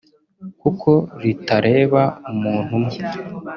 kuko ritareba umuntu umwe